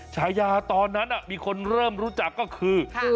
ฉายาตอนนั้นมีคนเริ่มรู้จักก็คือ